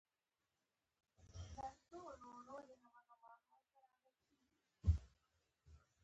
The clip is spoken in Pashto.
د پوهنتون سفر د ژوند ستر بدلون دی.